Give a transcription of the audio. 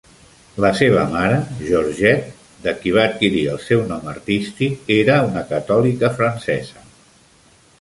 La seva mare, Georgette, de qui va adquirir el seu nom artístic, era una catòlica francesa.